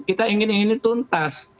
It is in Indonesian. kita ingin yang ini tuntas